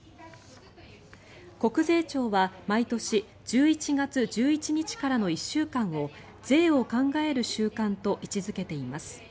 国税庁は毎年１１月１１日からの１週間を税を考える週間と位置付けています。